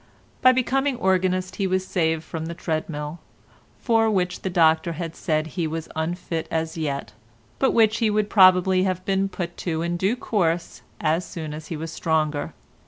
By becoming organist he was saved from the treadmill, for which the doctor had said he was unfit as yet, but which he would probably have been put to in due course as soon as he was stronger.